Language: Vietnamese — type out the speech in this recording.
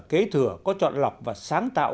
kế thừa có chọn lọc và sáng tạo